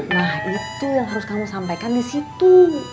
nah itu yang harus kamu sampaikan disitu